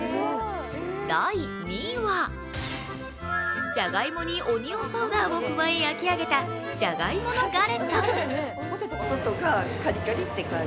第２位は、じゃがいもにオニオンパウダーを加え、焼き上げたジャガイモのガレット。